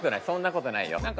そんなことないよ。